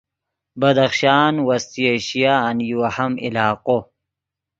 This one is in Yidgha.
بدخشان وسطی ایشیان یو اہم علاقو